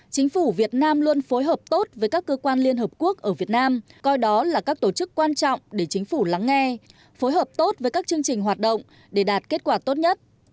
chính phủ việt nam luôn phối hợp tốt với các cơ quan liên hợp quốc ở việt nam coi đó là các tổ chức quan trọng để chính phủ lắng nghe phối hợp tốt với các chương trình hoạt động để đạt kết quả tốt nhất